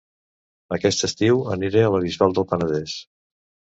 Aquest estiu aniré a La Bisbal del Penedès